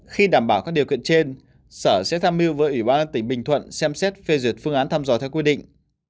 khi đảm bảo các điều kiện trên sở sẽ tham mưu với ủy ban tỉnh bình thuận xem xét phê duyệt phương án thăm dò theo quy định